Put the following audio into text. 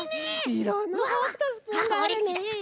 いろんなフォークとスプーンがあるね。